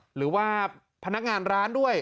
หรือว่าพนักงานร้านด้วย